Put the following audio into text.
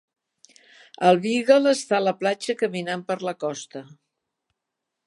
El beagle està a la platja caminant per la costa